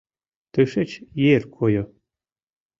Тышеч ер койо.